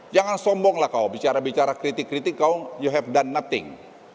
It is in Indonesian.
jangan sombonglah kau bicara bicara kritik kritik kau you have done nothing